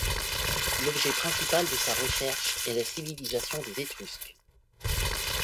L'objet principal de sa recherche est la civilisation des Étrusques.